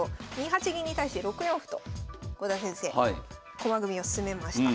２八銀に対して６四歩と郷田先生駒組みを進めました。